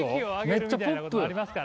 めっちゃポップ。